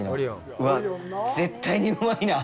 うわ、絶対にうまいなあ。